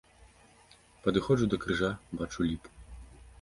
Падыходжу да крыжа, бачу ліпу.